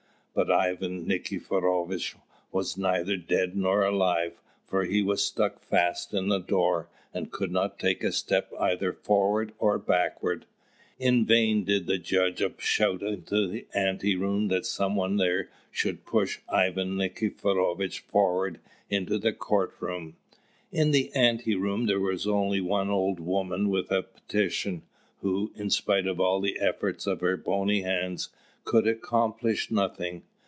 But Ivan Nikiforovitch was neither dead nor alive; for he was stuck fast in the door, and could not take a step either forwards or backwards. In vain did the judge shout into the ante room that some one there should push Ivan Nikiforovitch forward into the court room. In the ante room there was only one old woman with a petition, who, in spite of all the efforts of her bony hands, could accomplish nothing.